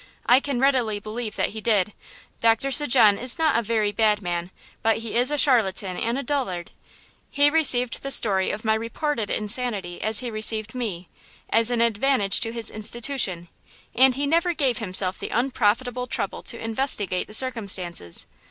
I can readily believe that he did. Doctor St. Jean is not a very bad man, but he is a charlatan and a dullard; he received the story of my reported insanity as he received me, as an advantage to his institution, and he never gave himself the unprofitable trouble to investigate the circumstances.